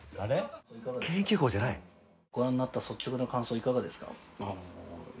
ご覧になった率直な感想いかがですか？